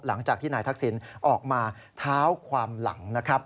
หลังจากที่นายทักษิณภาพออกมาท้าวความหลัง